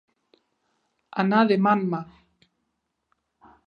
Anar de mà en mà.